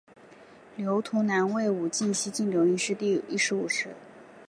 刘图南为武进西营刘氏第十五世。